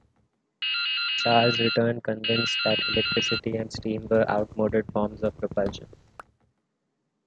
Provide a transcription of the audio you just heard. Charles returned convinced that electricity and steam were outmoded forms of propulsion.